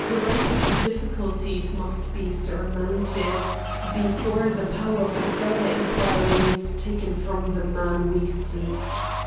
Grave difficulties must be surmounted before the power for further injury is taken from the man we seek.